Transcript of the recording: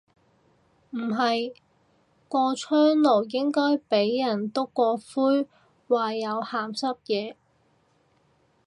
唔係，個窗爐應該俾人篤過灰話有鹹濕野。